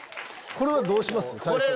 これはどうします？